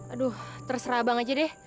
aduh terserah banget aja deh